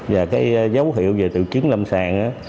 và cái dấu hiệu về tự chứng lâm sàng